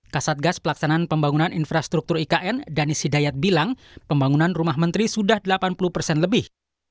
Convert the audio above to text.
kasat gas pelaksanaan pembangunan infrastruktur ikn danis hidayat bilang pembangunan rumah menteri sudah delapan puluh persen lebih